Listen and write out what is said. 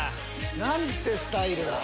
何てスタイルだ！